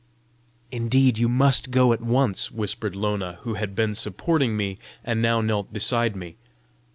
"Indeed you must go at once!" whispered Lona, who had been supporting me, and now knelt beside me.